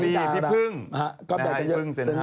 พี่พึ่ง